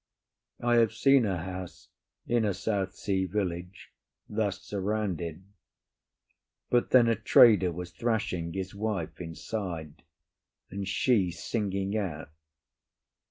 I have seen a house in a South Sea village thus surrounded, but then a trader was thrashing his wife inside, and she singing out.